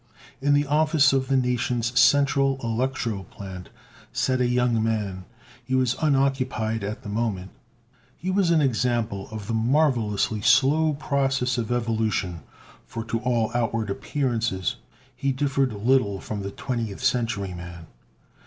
In the office of the nation's central electro plant sat a young man. He was unoccupied at the moment. He was an example of the marvelously slow process of evolution, for, to all outward appearances he differed little from a Twentieth Century man.